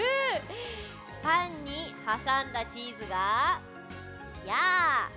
パンにはさんだチーズが「やあ」